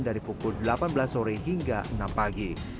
dari pukul delapan belas sore hingga enam pagi